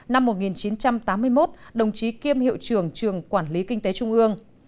năm một nghìn chín trăm tám mươi một đồng chí kiêm hiệu trưởng trường quản lý kinh tế trung ương